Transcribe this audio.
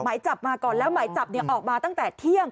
หมายจับมาก่อนแล้วหมายจับเนี่ยออกมาตั้งแต่เที่ยง